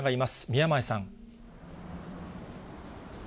宮前さん。